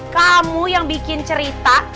kamu yang bikin cerita